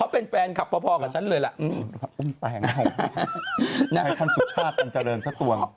เพื่อนเล่นเถอะเหรอหนุ่ม